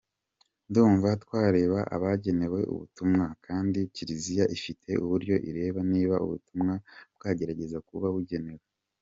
Ndumva twareba abagenewe ubutumwa kandi Kiliziya ifite uburyo ireba niba ubutumwa bwarageze kubo bugenewe.